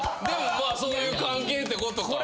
でもそういう関係ってこと。